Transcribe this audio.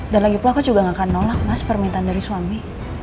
dan lagi pun aku juga gak akan nolak mas permintaan dari suami